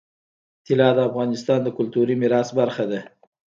طلا د افغانستان د کلتوري میراث برخه ده.